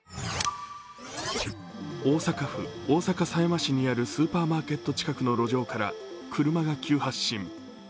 大阪府大阪狭山市にあるスーパーマーケット近くの路上から車が急発進。